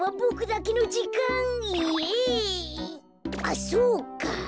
あっそうか。